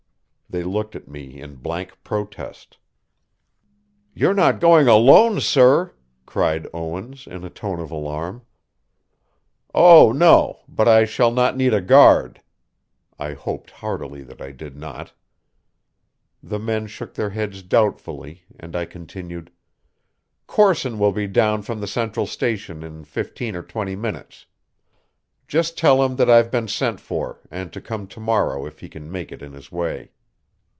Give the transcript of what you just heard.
They looked at me in blank protest. "You're not going alone, sir?" cried Owens in a tone of alarm. "Oh, no. But I shall not need a guard." I hoped heartily that I did not. The men shook their heads doubtfully, and I continued: "Corson will be down from the Central Station in fifteen or twenty minutes. Just tell him that I've been sent for, and to come to morrow if he can make it in his way."